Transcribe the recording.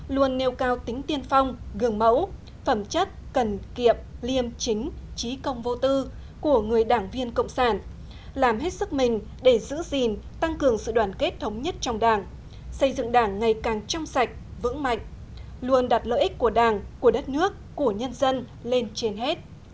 luôn nêu cao tính tiên phong gương mẫu phẩm chất cần kiệm liêm chính trí công vô tư của người đảng viên cộng sản làm hết sức mình để giữ gìn tăng cường sự đoàn kết thống nhất trong đảng xây dựng đảng ngày càng trong sạch vững mạnh luôn đặt lợi ích của đảng của đất nước của nhân dân lên trên hết